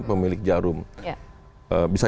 pemilik jarum bisa